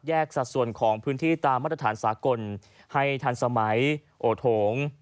สัดส่วนของพื้นที่ตามมาตรฐานสากลให้ทันสมัยโอโถง